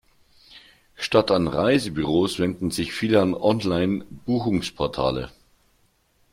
Statt an Reisebüros wenden sich viele an Online-Buchungsportale.